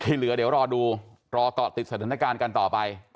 ทีเหลือเดี๋ยวรอดูรอตอบติดสัญลักษณะการกันต่อไป